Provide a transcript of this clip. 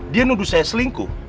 dia nuduh saya selingkuh